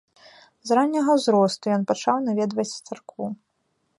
З ранняга ўзросту ён пачаў наведваць царкву.